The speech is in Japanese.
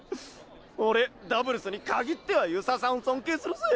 俺ダブルスに限っては遊佐さん尊敬するぜ！